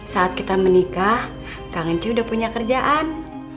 saat kita menikah kang ecu udah punya kerjaan